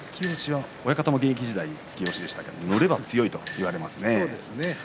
親方も現役時代突き押しでしたけれども乗れば強いと言われますからね。